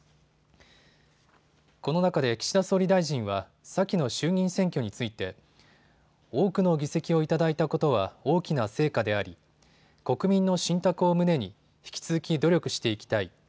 この中で岸田総理大臣は先の衆議院選挙について多くの議席を頂いたことは大きな成果であり国民の信託を胸に引き続き協力していきたい。